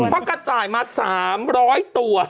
เพราะกระจ่ายมา๓๐๐ตัว